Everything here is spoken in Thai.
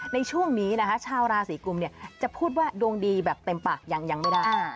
ในช่วงนี้นะคะชาวราศีกุมจะพูดว่าดวงดีแบบเต็มปากยังไม่ได้